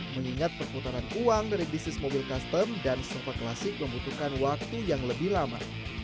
mengingat perputaran uang dari bisnis mobil custom dan sofa klasik membutuhkan waktu yang lebih lama